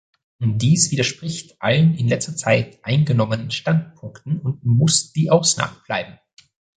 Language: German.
Dies widerspricht allen in letzter Zeit eingenommenen Standpunkten und muss die Ausnahme bleiben.